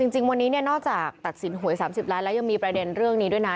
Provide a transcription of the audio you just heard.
จริงวันนี้นอกจากตัดสินหวย๓๐ล้านแล้วยังมีประเด็นเรื่องนี้ด้วยนะ